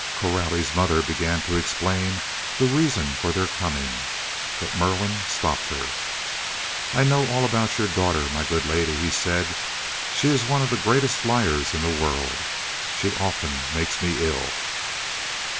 Coralie's mother began to explain the reason for their coming. But Merlin stopped her. "I know all about your daughter, my good lady," he said. "She is one of the greatest liars in the world. She often makes me ill."